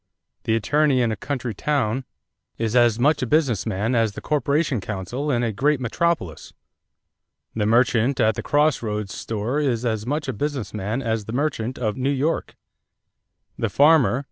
The attorney in a country town is as much a business man as the corporation counsel in a great metropolis. The merchant at the cross roads store is as much a business man as the merchant of New York. The farmer ...